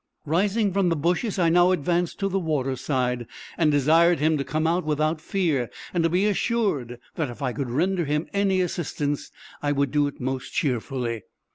Rising from the bushes, I now advanced to the water side, and desired him to come out without fear, and to be assured that if I could render him any assistance, I would do it most cheerfully.